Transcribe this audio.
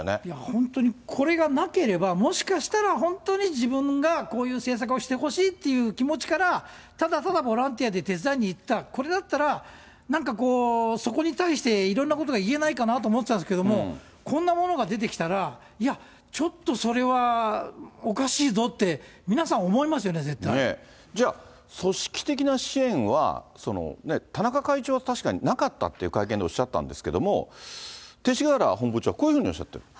本当にこれがなければ、もしかしたら、本当に自分がこういう政策をしてほしいという気持ちから、ただただボランティアで手伝いに行ってた、これだったらなんかそこに対していろんなことが言えないかなと思ってたんですけれども、こんなものが出てきたら、いや、ちょっとそれはおかしいぞって、じゃあ、組織的な支援は田中会長は確かになかったって、会見でおっしゃったんですけれども、勅使河原本部長はこういうふうにおっしゃってる。